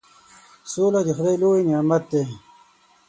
سوله د خدای لوی نعمت دی.